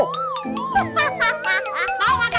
hahaha mau gak kaget aja lu